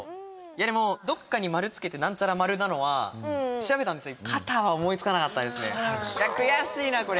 でも、どっかに丸つけて「なんちゃらまる」なのは調べたんですよ。